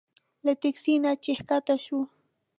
له تکسي نه چې ښکته شوو.